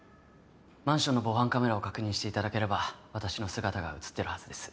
マンションの防犯カメラを確認していただければ私の姿が写ってるはずです。